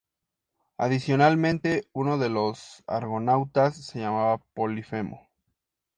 Adicionalmente, uno de los argonautas se llamaba Polifemo.